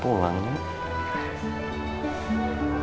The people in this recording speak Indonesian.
pak mustaqim lagi di rumah